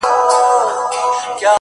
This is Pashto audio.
o گراني شاعري ستا په خوږ ږغ كي؛